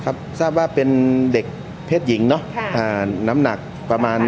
ครับทราบว่าเป็นเด็กพิสยิงเนาะค่ะอ่าน้ำหนักประมาณ